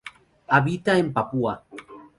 Habita en Papúa.